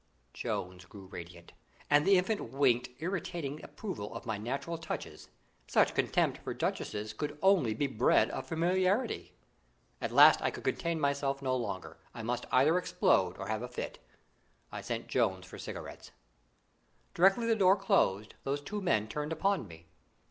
Jones grew radiant, and the Infant winked irritating approval of my natural touches. Such contempt for duchesses could only be bred of familiarity. At last I could contain myself no longer; I must either explode or have a fit. I sent Jones for cigarettes. Directly the door closed those two men turned upon me.